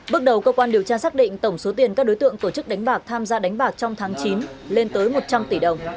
bước đầu cơ quan điều tra xác định tổng số tiền các đối tượng tổ chức đánh bạc tham gia đánh bạc trong tháng chín lên tới một trăm linh tỷ đồng